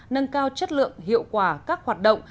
nâng cao chất lượng hiệu quả các hoạt động